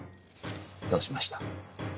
どうしました？